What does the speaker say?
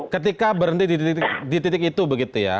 ketika berhenti di titik itu begitu ya